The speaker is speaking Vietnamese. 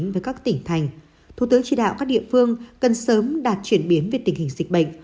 với các tỉnh thành thủ tướng chỉ đạo các địa phương cần sớm đạt chuyển biến về tình hình dịch bệnh